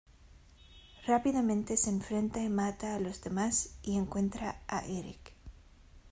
Rápidamente se enfrenta y mata a los demás y encuentra a Eric.